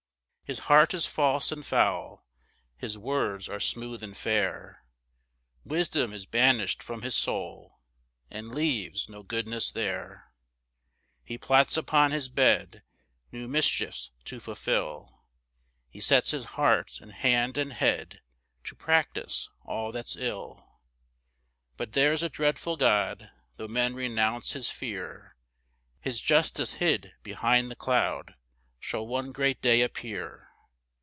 ] 3 His heart is false and foul, His words are smooth and fair; Wisdom is banish'd from his soul, And leaves no goodness there. 4 He plots upon his bed New mischiefs to fulfil; He sets his heart, and hand, and head, To practise all that's ill. 5 But there's a dreadful God, Tho' men renounce his fear; His justice hid behind the cloud Shall one great day appear.